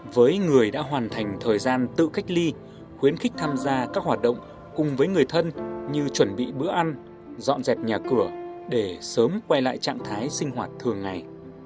với người đã hoàn thành thời gian tự cách ly khuyến khích tham gia các hoạt động cùng với người thân như chuẩn bị bữa ăn dọn dẹp nhà cửa để sớm quay lại trạng thái sinh hoạt thường ngày